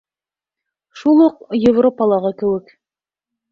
Шул уҡ Европалағы кеүек.